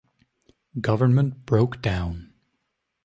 Government broke down.